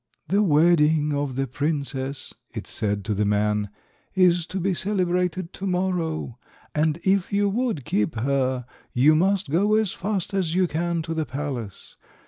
"The wedding of the princess," it said to the man, "is to be celebrated to morrow, and if you would keep her you must go as fast as you can to the palace.